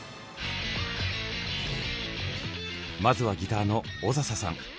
まずはギターの小笹さん。